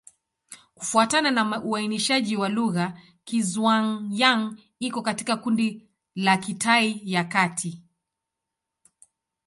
Kufuatana na uainishaji wa lugha, Kizhuang-Yang iko katika kundi la Kitai ya Kati.